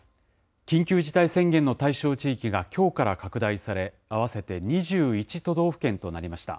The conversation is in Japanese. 緊急事態宣言の対象地域がきょうから拡大され、合わせて２１都道府県となりました。